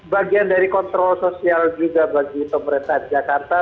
bagian dari kontrol sosial juga bagi pemerintah jakarta